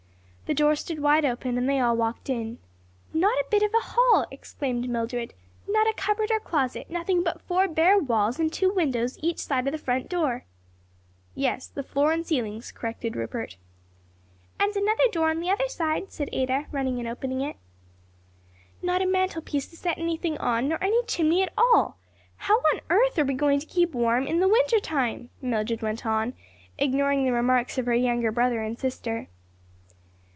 The door stood wide open and they all walked in. "Not a bit of a hall!" exclaimed Mildred, "not a cupboard or closet; nothing but four bare walls and two windows each side of the front door." "Yes, the floor and ceilings," corrected Rupert. "And another door on the other side," said Ada, running and opening it. "Not a mantelpiece to set anything on, nor any chimney at all! How on earth are we going to keep warm in the winter time?" Mildred went on, ignoring the remarks of her younger brother and sister.